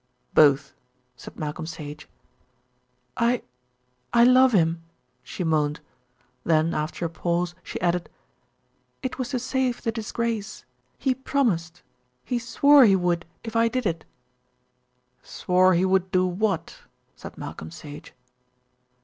"Both," said Malcolm Sage. "I I love him," she moaned; then after a pause she added: "It was to save the disgrace. He promised, he swore he would if I did it." "Swore he would do what?" said Malcolm Sage.